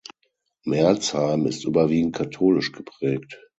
Merlsheim ist überwiegend katholisch geprägt.